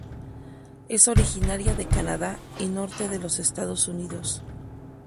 Es originaria de Canadá y norte de los Estados Unidos.